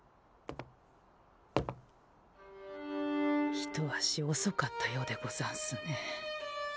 一足おそかったようでござんすね。